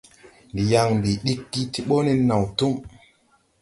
Ndi yaŋ ɓi ɗiggi ti ɓɔ nen naw tum.